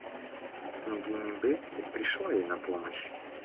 Княгиня Бетси пришла ей на помощь.